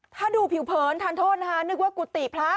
ถ้าดูผิวเผินทานโทษนะคะนึกว่ากุฏิพระ